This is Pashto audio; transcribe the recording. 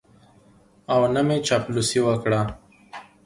او نه مې چاپلوسي وکړه.